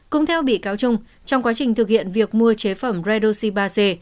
cũng theo bị cáo trung trong quá trình thực hiện việc mua chế phẩm redoxi ba c